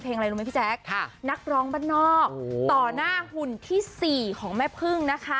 อะไรรู้ไหมพี่แจ๊คนักร้องบ้านนอกต่อหน้าหุ่นที่๔ของแม่พึ่งนะคะ